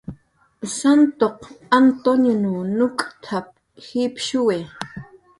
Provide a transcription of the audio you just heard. "Santuq Antun nuk'tap"" jipshuwi"